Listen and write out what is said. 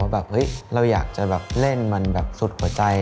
ว่าเราอยากจะเล่นมันแบบสุดหัวใจ